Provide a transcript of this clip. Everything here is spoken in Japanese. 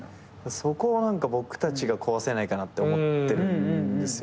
そこを何か僕たちが壊せないかなって思ってるんですよ。